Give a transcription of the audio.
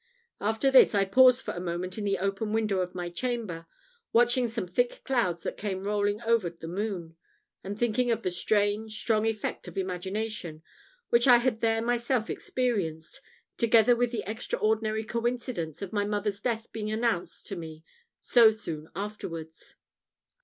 After this, I paused for a moment at the open window of my chamber, watching some thick clouds that came rolling over the moon, and thinking of the strange, strong effect of imagination, which I had there myself experienced, together with the extraordinary coincidence of my mother's death being announced to me so soon afterwards.